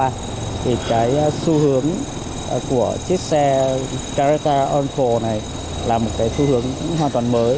thì cái xu hướng của chiếc xe caretta uncle này là một cái xu hướng hoàn toàn mới